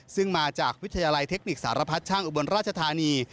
ซึ่งมาจากวิทยาลัยเทคนิคสารพัดช่างอุบลราชธานี